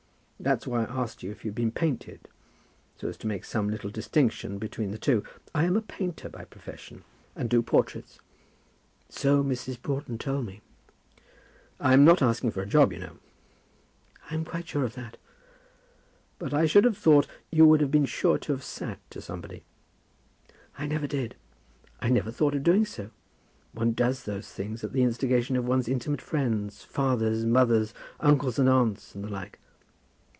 "That's why I asked you if you had been painted, so as to make some little distinction between the two. I am a painter by profession, and do portraits." "So Mrs. Broughton told me." "I am not asking for a job, you know." "I am quite sure of that." "But I should have thought you would have been sure to have sat to somebody." "I never did. I never thought of doing so. One does those things at the instigation of one's intimate friends, fathers, mothers, uncles, and aunts, and the like."